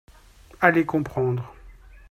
Allez comprendre